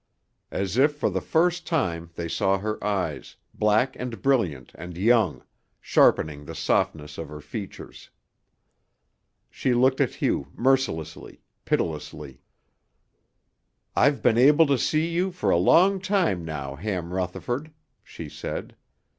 As if for the first time they saw her eyes, black and brilliant and young, sharpening the softness of her features. She looked at Hugh mercilessly, pitilessly. "I've been able to see you for a long time now, Ham Rutherford," she said.